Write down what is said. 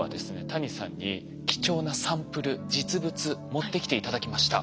谷さんに貴重なサンプル実物持ってきて頂きました。